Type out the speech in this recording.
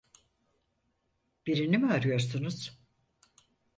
Birini mi arıyorsunuz?